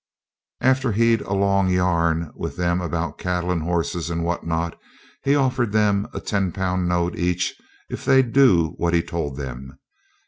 After he'd a long yarn with them about cattle and horses and what not, he offered them a ten pound note each if they'd do what he told them.